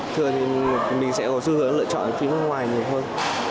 thường thì mình sẽ có xu hướng lựa chọn phim nước ngoài nhiều hơn